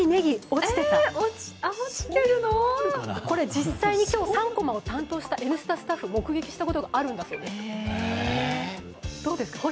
これ、実際に今日「３コマ」を担当した「Ｎスタ」スタッフ目撃したことがあるんだそうです。